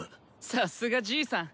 さすがじいさん！